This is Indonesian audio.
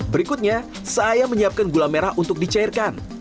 berikutnya saya menyiapkan gula merah untuk dicairkan